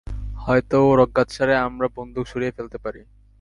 হয়তো ওর অজ্ঞাতসারে আমরা বন্দুক সরিয়ে ফেলতে পারি।